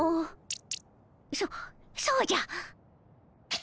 そそうじゃ！